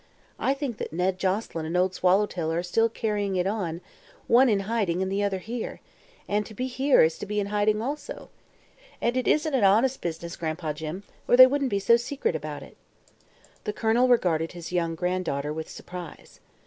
I think that Ned Joselyn and Old Swallowtail are still carrying it on, one in hiding and the other here and to be here is to be in hiding, also. And it isn't an honest business, Gran'pa Jim, or they wouldn't be so secret about it." The Colonel regarded his young granddaughter with surprise.